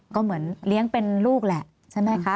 ก็เหมือนเลี้ยงเป็นลูกแหละใช่ไหมคะ